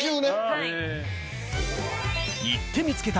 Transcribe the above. はい。